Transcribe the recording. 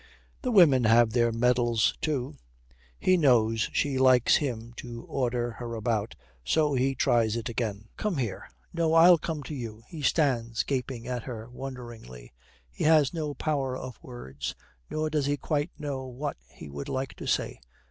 'The women have their medals, too.' He knows she likes him to order her about, so he tries it again. 'Come here. No, I'll come to you.' He stands gaping at her wonderingly. He has no power of words, nor does he quite know what he would like to say.